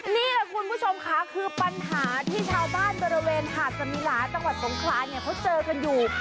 นี่แหละคุณผู้ชมค่ะคือปัญหาที่ชาวบ้านบริเวณหาดสมิลาจังหวัดสงขลาเนี่ยเขาเจอกันอยู่